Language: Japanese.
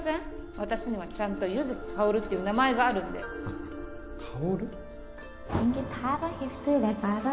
私にはちゃんと柚木薫っていう名前があるんで薫？